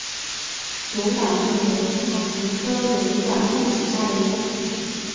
龙胆木为大戟科龙胆木属下的一个种。